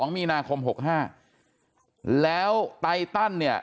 มีนาคม๖๕แล้วไตตันเนี่ย